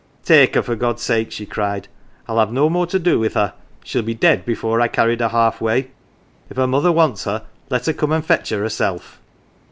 " Take her, for God's sake," she cried. " Fll have no more to do with her. She'd be dead before I carried her half way. If her mother wants her, let her come and fetch her herself."